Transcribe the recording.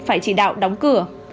phải chỉ đạo đóng cửa